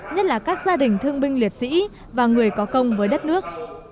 nhất là các gia đình thương binh liệt sĩ và người có công với đất nước